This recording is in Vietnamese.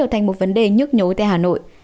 thành một vấn đề nhức nhối tại hà nội